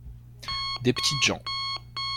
Des petites gens.